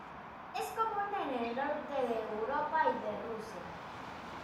Es común en el norte de Europa y de Rusia.